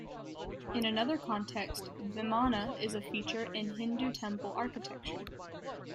In another context, Vimana is a feature in Hindu temple architecture.